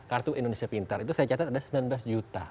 kartu indonesia pintar itu saya catat ada sembilan belas juta